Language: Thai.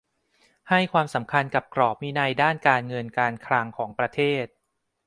ให้ความสำคัญกับกรอบวินัยด้านการเงินการคลังของประเทศ